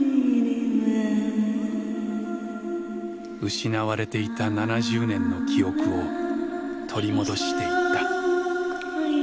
失われていた７０年の記憶を取り戻していった。